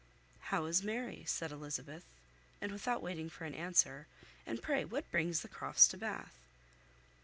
"How is Mary?" said Elizabeth; and without waiting for an answer, "And pray what brings the Crofts to Bath?"